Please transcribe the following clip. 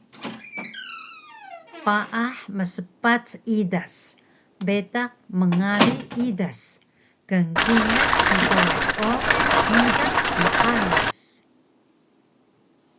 Paah mspac idas bitaq mngari idas kngkingal hngkawas o muda mqaras smiyan knciyan alang